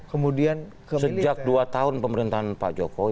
kemudian sejak dua tahun pemerintahan pak jokowi